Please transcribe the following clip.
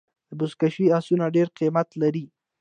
د بزکشۍ آسونه ډېر قیمت لري.